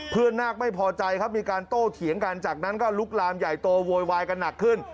นาคไม่พอใจครับมีการโต้เถียงกันจากนั้นก็ลุกลามใหญ่โตโวยวายกันหนักขึ้น